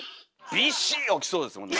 ビッシーッ起きそうですもんね